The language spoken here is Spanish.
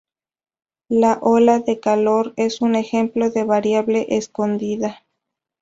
La ola de calor es un ejemplo de variable escondida.